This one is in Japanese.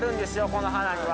この花には。